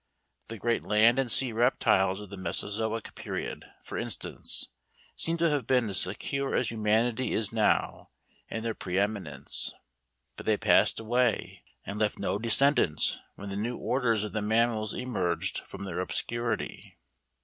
The great land and sea reptiles of the Mesozoic period, for instance, seem to have been as secure as humanity is now in their pre eminence. But they passed away and left no descendants when the new orders of the mammals emerged from their obscurity.